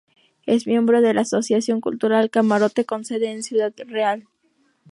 Es miembro de la Asociación Cultural Camarote con sede en Ciudad Real.